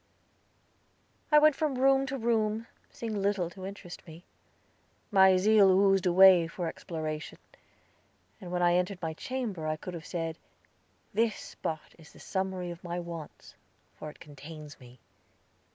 I went from room to room, seeing little to interest me. My zeal oozed away for exploration, and when I entered my chamber I could have said, "This spot is the summary of my wants, for it contains me."